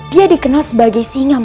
dia dikenal sebagai singa mataram